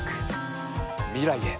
未来へ。